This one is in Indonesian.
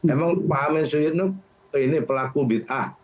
emang pak amin syu yitno ini pelaku bid'ah